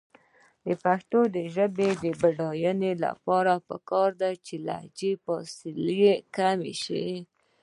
د پښتو ژبې د بډاینې لپاره پکار ده چې لهجو فاصلې کمې شي.